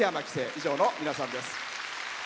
以上の皆さんです。